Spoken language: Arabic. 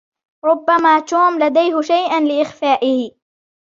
ربما توم لديهُ شيئاً لإخفائه.